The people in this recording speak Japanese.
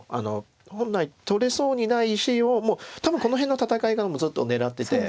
本来取れそうにない石をもう多分この辺の戦いからもうずっと狙ってて。